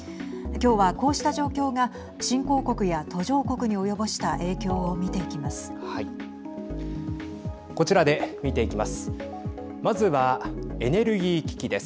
今日はこうした状況が新興国や途上国に及ぼした影響を見ていきます。